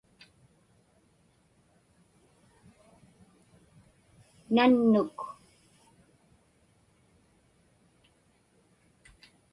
nannuk